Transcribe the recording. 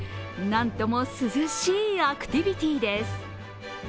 なんとも涼しいアクティビティーです。